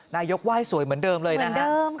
นายกไหว้สวยเหมือนเดิมเลยนะฮะ